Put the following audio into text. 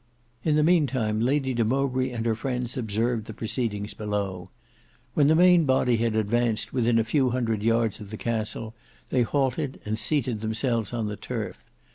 In the meantime Lady de Mowbray and her friends observed the proceedings below. When the main body had advanced within a few hundred yards of the castle, they halted and seated themselves on the turf.